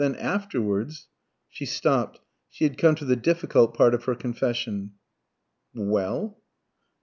Then afterwards " She stopped; she had come to the difficult part of her confession. "Well?"